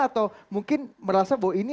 atau mungkin merasa bahwa ini